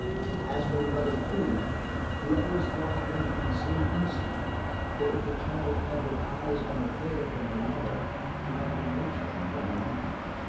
As for the other two, he always thought of them in the same instant, for if the child had her eyes and her hair from her mother, she had her nature from the man.